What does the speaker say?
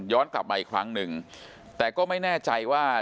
กลับมาอีกครั้งหนึ่งแต่ก็ไม่แน่ใจว่า